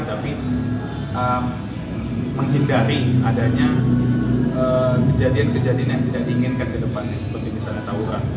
tapi menghindari adanya kejadian kejadian yang tidak diinginkan ke depannya seperti misalnya tauran